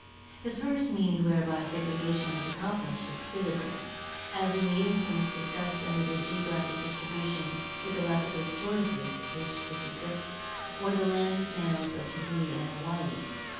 The first means whereby segregation is accomplished is physical, as in the instance discussed under geographic distribution — the Galapagos tortoises (page 56)— or the land snails of Tahiti and Hawaii.